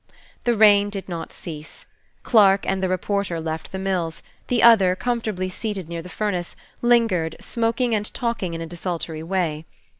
The rain did not cease. Clarke and the reporter left the mills; the others, comfortably seated near the furnace, lingered, smoking and talking in a desultory way.